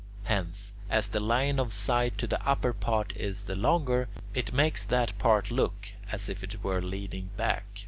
Hence, as the line of sight to the upper part is the longer, it makes that part look as if it were leaning back.